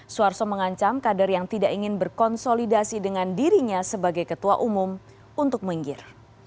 suarso mengancam kader yang tidak ingin berkonsolidasi dengan dirinya sebagai ketua umum untuk menggir